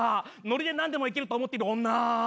ノリで何でもいけると思ってる女！